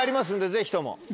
ぜひとも。